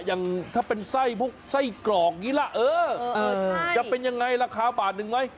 อย่างถ้าเป็นไส้มุกไส้กรอกอย่างนี้ล่ะเออจะเป็นยังไงราคาบาทหนึ่งไหม